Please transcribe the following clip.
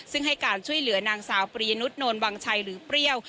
ซึ่งให้การช่วยเหลือนางสาวปริยนุษย์วังชัยหรือเปรี้ยว